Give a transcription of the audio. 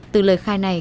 từ lời khai này